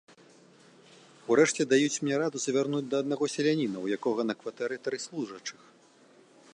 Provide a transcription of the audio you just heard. Урэшце даюць мне раду завярнуць да аднаго селяніна, у якога на кватэры тры служачых.